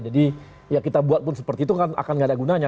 jadi yang kita buat pun seperti itu akan tidak ada gunanya